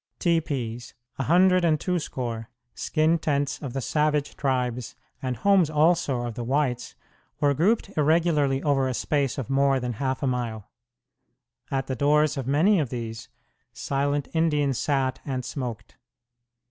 Teepees, a hundred and twoscore, skin tents of the savage tribes and homes also of the whites, were grouped irregularly over a space of more than half a mile. At the doors of many of these, silent Indians sat and smoked.